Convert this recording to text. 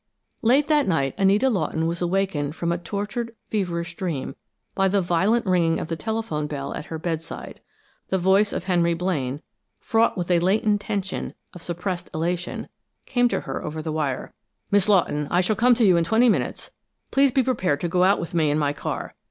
Late that night, Anita Lawton was awakened from a tortured, feverish dream by the violent ringing of the telephone bell at her bedside. The voice of Henry Blaine, fraught with a latent tension of suppressed elation, came to her over the wire. "Miss Lawton, I shall come to you in twenty minutes. Please be prepared to go out with me in my car.